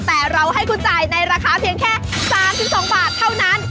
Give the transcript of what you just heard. แต่เราให้คุณจ่ายในราคาเพียงแค่๓๒บาทเท่านั้น